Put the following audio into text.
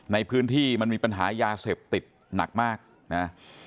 ในพื้นที่มันมีปัญหายาเสพติดหนักมากนะ